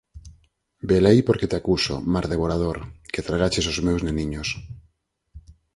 Velaí por que te acuso, mar devorador, que tragaches os meus neniños.